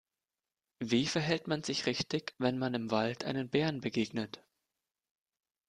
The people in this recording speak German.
Wie verhält man sich richtig, wenn man im Wald einem Bären begegnet?